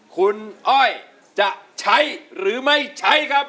คุณอ้อยจะใช้หรือไม่ใช้ครับ